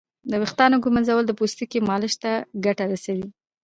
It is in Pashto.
د ویښتانو ږمنځول د پوستکي مالش ته ګټه رسوي.